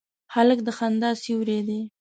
هلک د خندا سیوری دی.